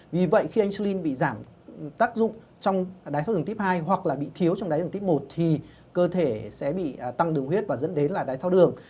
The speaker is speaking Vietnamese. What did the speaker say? vì vậy khi insulin bị giảm tác dụng trong đài tháo đường tiếp hai hoặc bị thiếu trong đài tháo đường tiếp một cơ thể sẽ bị tăng đường huyết và dẫn đến đài tháo đường